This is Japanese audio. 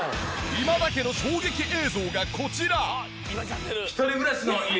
今田家の衝撃映像がこちら。